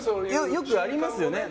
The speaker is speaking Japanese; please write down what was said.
よくありますよね。